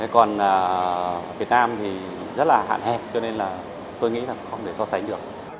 còn việt nam thì rất là hạn hẹn cho nên là tôi nghĩ là không thể so sánh được